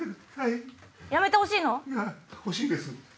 いや欲しいです。